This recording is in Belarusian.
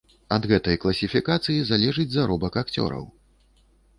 Ад гэтай класіфікацыі залежыць заробак акцёраў.